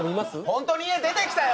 ホントに家出てきたよ